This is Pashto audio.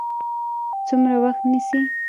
څومره وخت نیسي؟